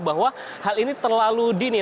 bahwa hal ini terlalu dini